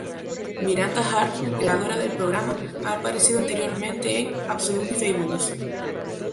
Miranda Hart, creadora del programa, ha aparecido anteriormente en "Absolutely Fabulous".